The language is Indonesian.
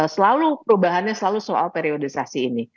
selalu perubahannya selalu soal periodisasi ini